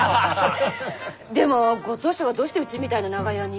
でもご当主がどうしてうちみたいな長屋に？